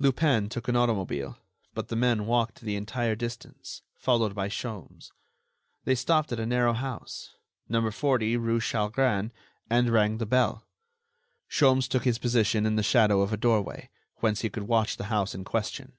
Lupin took an automobile; but the men walked the entire distance, followed by Sholmes. They stopped at a narrow house, No. 40 rue Chalgrin, and rang the bell. Sholmes took his position in the shadow of a doorway, whence he could watch the house in question.